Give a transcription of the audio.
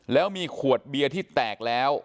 แล้วมีขวดเบียร์ที่แตกแล้ว